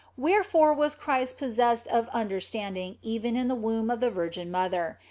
Wherefore was Christ possessed of under standing even in the womb of the Virgin mother.